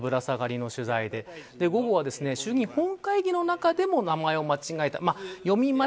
午前中こういったぶら下がりの取材で午後は、衆院本会議の中でも名前を間違えた。